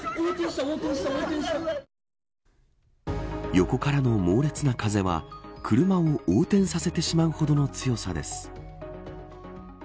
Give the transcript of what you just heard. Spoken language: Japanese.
横からの猛烈な風は車を横転させてしまうほどの強さです。